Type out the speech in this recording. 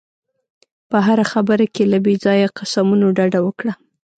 په هره خبره کې له بې ځایه قسمونو ډډه وکړه.